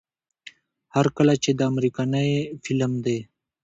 هر کله چې دا امريکنے فلم دے